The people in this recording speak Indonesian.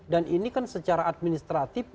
dan ini kan secara administratif